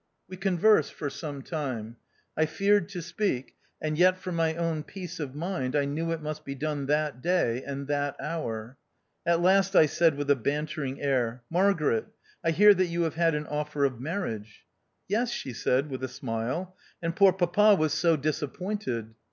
We conversed for some time. I feared to speak, and yet for my own peace of mind I knew it must be done that day, and that hour. At last I said with a bantering air, "Margaret, I hear that you have had an offer of marriage ?"" Yes," she said with a smile, " and poor papa was so disappointed."